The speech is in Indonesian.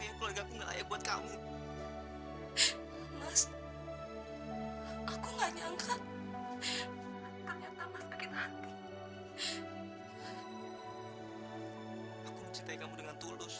sampai jumpa di video selanjutnya